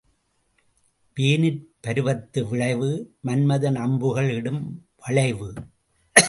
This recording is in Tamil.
வேனிற் பருவத்து விளைவு, மன்மதன் அம்புகள் இடும் வளைவு.